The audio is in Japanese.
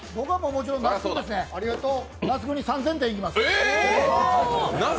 那須君に３０００点いきます。